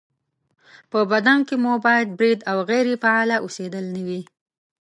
په بدن کې مو باید برید او غیرې فعاله اوسېدل نه وي